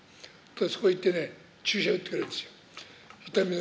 そこ行ってね、注射打ってくれるんですよ。